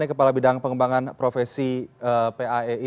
kepala bidang pengembangan profesi paei